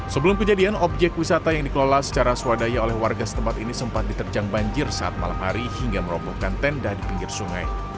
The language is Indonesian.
sebelum kejadian objek wisata yang dikelola secara swadaya oleh warga setempat ini sempat diterjang banjir saat malam hari hingga merobohkan tenda di pinggir sungai